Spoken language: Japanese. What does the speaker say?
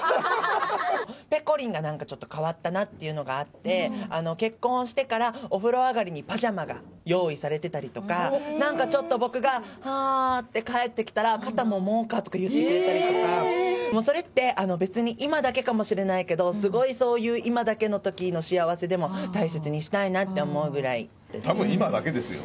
ぺこりんがなんかすごい変わったなっていうのがあって、結婚してから、お風呂上がりにパジャマが用意されてたりとか、なんかちょっと僕が、はぁーって帰ってきたら、肩ももうかとか言ってくれたりとか、もうそれって、別に今だけかもしれないけど、すごい、そういう、今だけの幸せでも大切にしたたぶん今だけですよ。